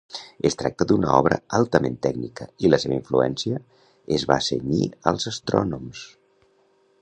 Es tracta d'una obra altament tècnica i la seva influència es va cenyir als astrònoms.